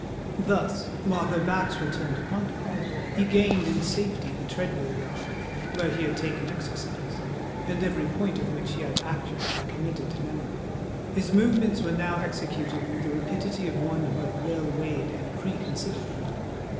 Thus, while their backs were turned upon him, he gained in safety the tread wheel yard where he had taken exercise, and every point of which he had accurately committed to memory. His movements were now executed with the rapidity of one who had well weighed and pre considered them.